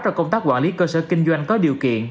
trong công tác quản lý cơ sở kinh doanh có điều kiện